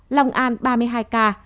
lòng an ba mươi hai ca